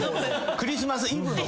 クリスマスイヴの方。